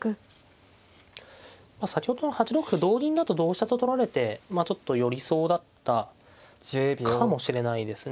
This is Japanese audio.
先ほどの８六歩同銀だと同飛車と取られてちょっと寄りそうだったかもしれないですね。